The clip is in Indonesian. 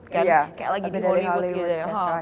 kayak lagi di hollywood gitu ya